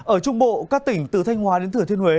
ở trung bộ các tỉnh từ thanh hóa đến thừa thiên huế